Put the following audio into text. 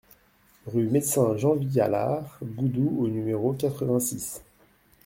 Rue Medecin Jean Vialar Goudou au numéro quatre-vingt-six